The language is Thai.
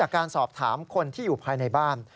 การสอบถามคนที่อยู่ภายในบ้าน